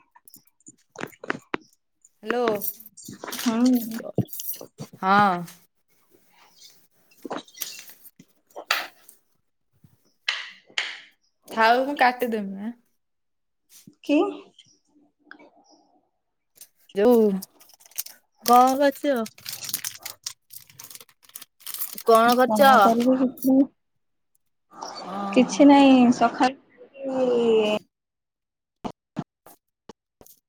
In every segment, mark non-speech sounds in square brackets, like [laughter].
[inaudible] Hello ହୁଁ ହଁ। ଥାଉ ମୁଁ କାଟିଦବି। କି? ଯଉ କଣ କରୁଛୁ? କଣ କରିବୁ କିଛି ନାହିଁ। ଓହୋ। କିଛି ନହିଁ ସକା ଏଇ [inaudible]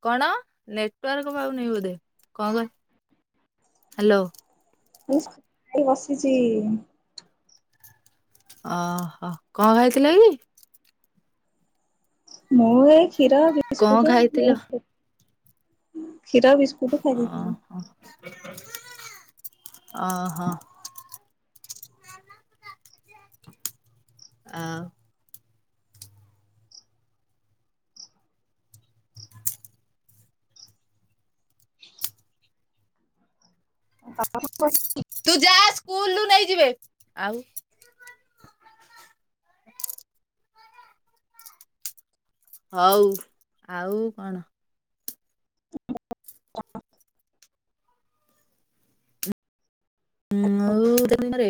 କଣ ନେଟାର୍କ ପାଉନ ବୋଧେ କଣ କହ ହ୍ୟାଲୋ ମୁଁ ସ୍କୁ ଏୟୀ ବସିଛି। ଓହୋ କଣ ଖାଇଥିଲେ କି? ମୁଁ ଏ କ୍ଷୀର କଣ ବିସ୍କୁଟୁ ଖାଇଥିଲ? [unintelligible] କ୍ଷୀର ବିସ୍କୁଟୁ। ସେଠୁ ଖାଇ ଦେଇଥିଲେ। ଓ ହୋ। ଆଉ [unintelligible] ତୁ ଯା ସ୍କୁଲରୁ ନେଇଯିବେ। ଆଉ [inaudible] ହଉ ଆଉ କଣ? ଆ [unintelligible] ଆଉ ଦିନରେ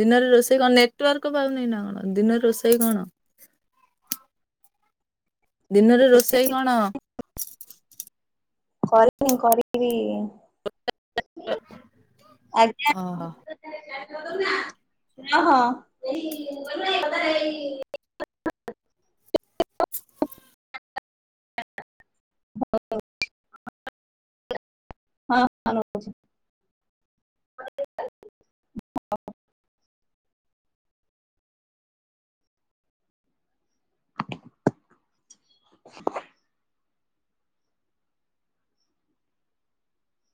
ଦିନରେ ରୋଷେଇ କଣ ନେଟୱାର୍କ ପାଉନି ନା କଣ ଦିନରେ ରୋଷେଇ କଣ? ଦିନରେ ରୋଷେଇ କଣ? କନି କରିବି ଆଜ୍ଞା। ଓହୋ ଅହ [unintelligible] ହଉ [unintelligible] ହଁ ହ [unintelligible]